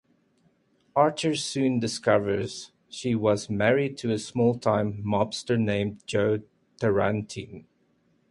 Archer soon discovers she was married to a small-time mobster named Joe Tarantine.